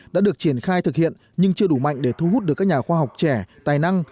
đã được triển khai thực hiện nhưng chưa đủ mạnh để thu hút được các nhà khoa học trẻ tài năng